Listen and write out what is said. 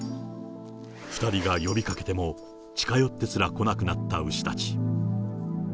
２人が呼びかけても近寄ってすらこなくなった牛たち。